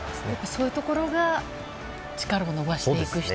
そういうところが力を伸ばしていく人？